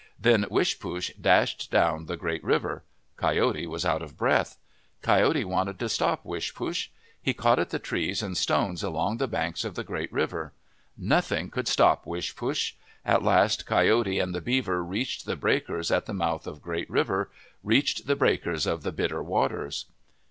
Then Wish poosh dashed down the Great River. Coyote was out of breath. Coyote wanted to stop Wishpoosh. He caught at the trees and stones along the banks of Great River. Nothing could stop Wishpoosh. At last Coyote and the beaver reached the breakers at the mouth of Great River, reached the breakers of the Bitter Waters.